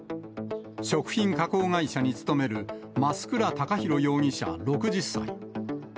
食品加工会社に勤める増倉孝弘容疑者６０歳。